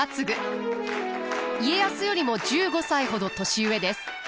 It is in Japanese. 家康よりも１５歳ほど年上です。